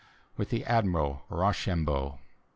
— With the Admiral Rochambeau.